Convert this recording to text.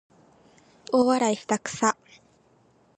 大笑いしたくさ